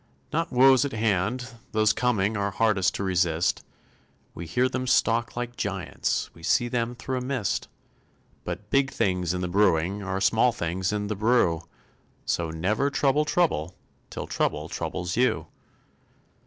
_ Not woes at hand, those coming Are hardest to resist; We hear them stalk like giants, We see them through a mist. But big things in the brewing Are small things in the brew; So never trouble trouble Till trouble troubles you.